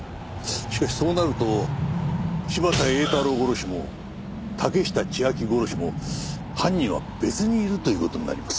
しかしそうなると柴田英太郎殺しも竹下千晶殺しも犯人は別にいるという事になります。